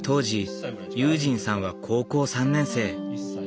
時悠仁さんは高校３年生。